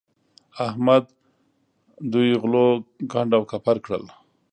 احمد دوی غلو کنډ او کپر کړل.